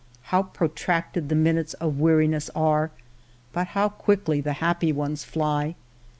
How protracted the minutes of weariness are, but how quickly the happy ones fly